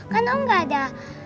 kan om gak ada